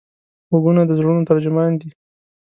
غوږونه د زړونو ترجمان دي